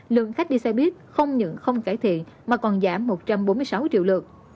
lượng khách đi xe buýt không những không cải thiện mà còn giảm một trăm bốn mươi sáu triệu lượt